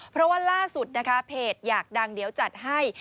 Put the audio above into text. เพราะว่าล่าสุดนะคะเพจอยากดังเดี๋ยวจัดให้